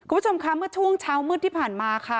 คุณผู้ชมค่ะเมื่อช่วงเช้ามืดที่ผ่านมาค่ะ